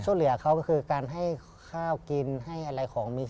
ช่วยเหลือเขาก็คือการให้ข้าวกินให้อะไรของมี